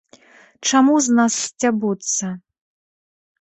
Чаму з нас сцябуцца.